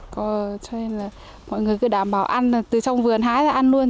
có cho nên là mọi người cứ đảm bảo ăn từ trong vườn hái ra ăn luôn